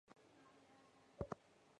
颜伯玮人。